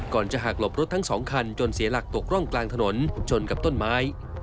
จะหักหลบรถทั้งสองคันจนเสียหลักตกร่องกลางถนนชนกับต้นไม้